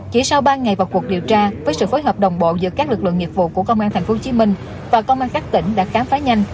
chỉ sau ba ngày vào cuộc điều tra với sự phối hợp đồng bộ giữa các lực lượng nghiệp vụ của công an tp hcm và công an các tỉnh đã khám phá nhanh